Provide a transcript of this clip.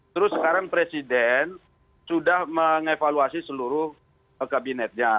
terus sekarang presiden sudah mengevaluasi seluruh kabinetnya